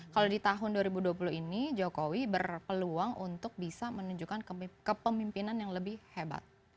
kalau di tahun dua ribu dua puluh ini jokowi berpeluang untuk bisa menunjukkan kepemimpinan yang lebih hebat